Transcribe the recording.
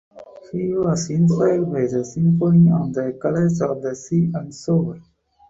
He was inspired by the "symphonie" of the colours of the sea and shore.